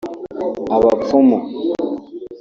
abapfumu